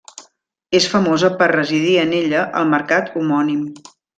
És famosa per residir en ella el mercat homònim.